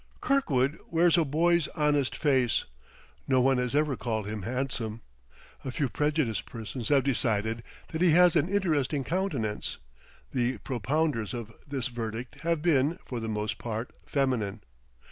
Kirkwood wears a boy's honest face; no one has ever called him handsome. A few prejudiced persons have decided that he has an interesting countenance; the propounders of this verdict have been, for the most part, feminine.